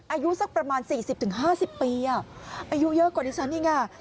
อายุสักประมาณสี่สิบถึงห้าสิบปีอ่ะอายุเยอะกว่านี้ฉันอีกอ่ะ